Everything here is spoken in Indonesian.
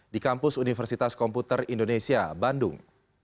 di kampus universitas komputer indonesia bandung